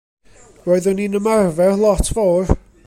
Roeddwn i'n ymarfer lot fawr.